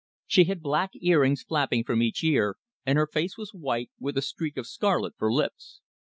She had black earrings flapping from each ear, and her face was white, with a streak of scarlet for lips.